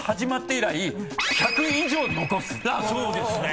そうですね。